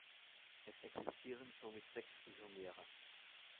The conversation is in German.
Es existieren somit sechs Isomere.